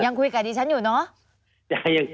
ยังคุยกับดิฉันอยู่เนอะ